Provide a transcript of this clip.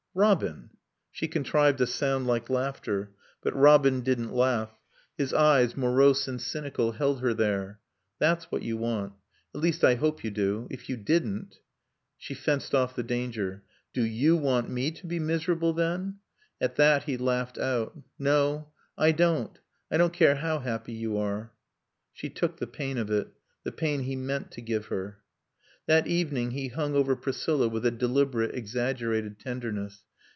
"Robin!" She contrived a sound like laughter. But Robin didn't laugh; his eyes, morose and cynical, held her there. "That's what you want.... At least I hope you do. If you didn't " She fenced off the danger. "Do you want me to be miserable, then?" At that he laughed out. "No. I don't. I don't care how happy you are." She took the pain of it: the pain he meant to give her. That evening he hung over Priscilla with a deliberate, exaggerated tenderness.